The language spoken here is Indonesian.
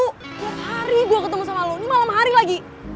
tiap hari gue ketemu sama lo ini malam hari lagi